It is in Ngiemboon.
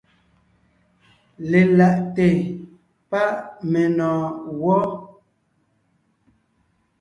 Lelaʼte páʼ menɔ̀ɔn gwɔ́.